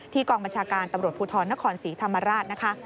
กองบัญชาการตำรวจภูทรนครศรีธรรมราชนะคะ